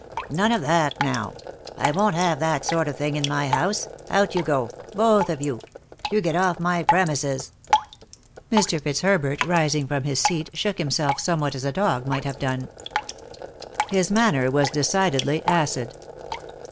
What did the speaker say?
" None of that, now ; I won't have that sort of thing in my house — out you go, both of you. You get off my premises." Mr. Fitzherbert, rising from his seat, shook him self somewhat as a dog might have done. Hit manner was decidedly acid.